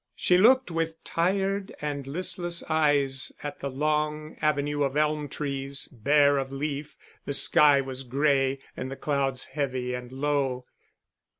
She looked with tired and listless eyes at the long avenue of elm trees, bare of leaf. The sky was gray and the clouds heavy and low.